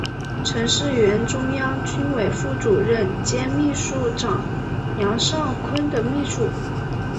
曾是原中央军委副主席兼秘书长杨尚昆的秘书。